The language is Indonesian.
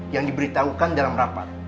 yang diberitahukan dalam rapat